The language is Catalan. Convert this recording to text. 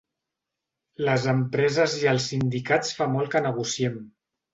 Les empreses i els sindicats fa molt que negociem.